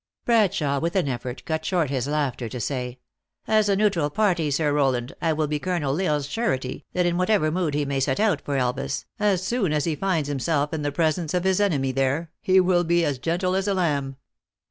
BradsUawe, with an effort, cut short his laughter, to say :" As a neutral party, Sir Rowland, I will bo Colonel L Isle s surety, that in whatever mood he may set out for Elvas, as soon as he finds himself in the pre sence of his enemy there, lie will be gentle as a lamb.